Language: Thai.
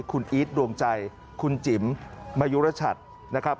คุณอีทดวงใจคุณจิ๋มมายุรชัดนะครับ